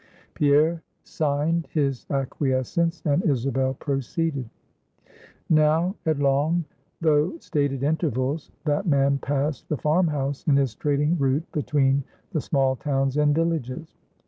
Pierre signed his acquiescence, and Isabel proceeded: "Now, at long though stated intervals, that man passed the farm house in his trading route between the small towns and villages.